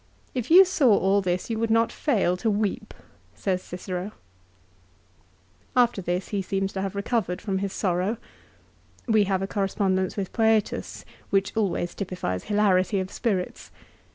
" If you saw all this you would not fail to weep," says Cicero ! l After this he seems to have recovered from his sorrow. We have a corre spondence with Foetus, which always typifies hilarity of spirits.